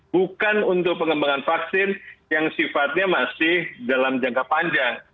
bukan untuk pengembangan vaksin yang sifatnya masih dalam jangka panjang